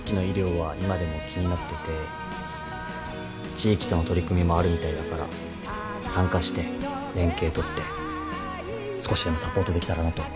地域との取り組みもあるみたいだから参加して連携取って少しでもサポートできたらなと思ってる。